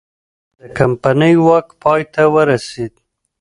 د کمپنۍ واک پای ته ورسید.